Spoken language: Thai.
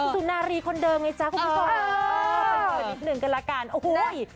ศุนนาฬีคนเดิมไงเพราะว่า